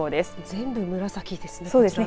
全部紫ですね。